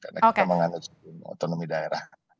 karena kita menganut otonomi daerah